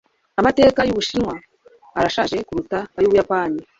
Amateka yUbushinwa arashaje kuruta ayUbuyapani